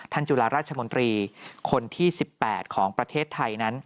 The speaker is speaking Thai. จุฬาราชมนตรีคนที่๑๘ของประเทศไทยนั้น